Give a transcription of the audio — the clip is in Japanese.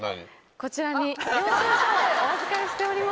こちらに領収書をお預かりしております。